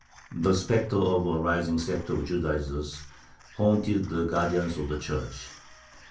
The specter of a rising sect of "Judaizers" haunted the guardians of the Church.